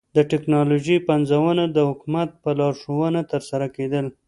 د ټکنالوژۍ پنځونه د حکومت په لارښوونه ترسره کېدل.